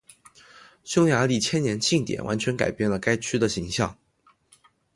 匈牙利千年庆典完全改变了该区的形象。